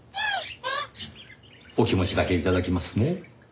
お気持ちだけ頂きますね。